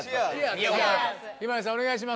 向日葵さんお願いします。